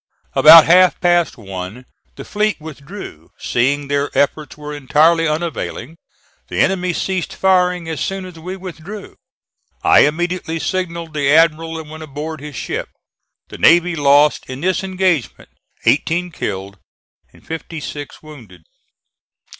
About half past one the fleet withdrew, seeing their efforts were entirely unavailing. The enemy ceased firing as soon as we withdrew. I immediately signalled the Admiral and went aboard his ship. The navy lost in this engagement eighteen killed and fifty six wounded.